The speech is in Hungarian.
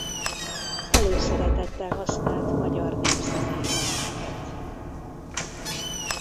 Előszeretettel használt magyar népzenei elemeket.